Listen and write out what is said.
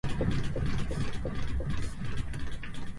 埼玉県志木市